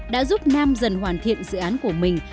đã giúp nam dần hoàn thiện dự án của mình